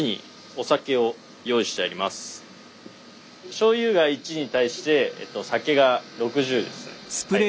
しょうゆが１に対して酒が６０ですね。